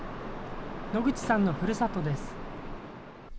野口さんのふるさとです。